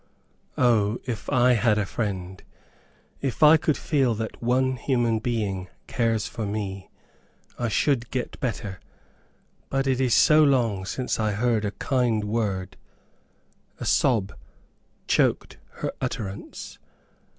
O, if I HAD A FRIEND, if I could feel that one human being cares for me, I should get better. But it is so long since I heard a kind word " a sob choked her utterance.